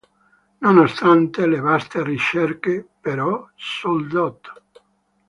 Nonostante le vaste ricerche, però, sul dott.